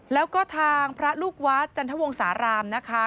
แล้วก็ทางพระลูกวัดจันทวงสารามนะคะ